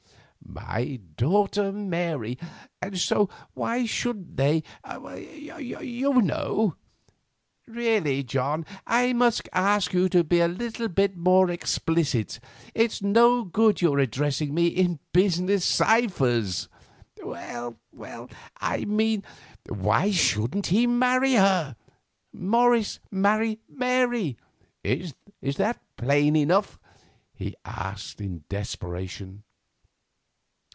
"My daughter, Mary; and—so—why shouldn't they—you know?" "Really, John, I must ask you to be a little more explicit. It's no good your addressing me in your business ciphers." "Well—I mean—why shouldn't he marry her? Morris marry Mary? Is that plain enough?" he asked in desperation.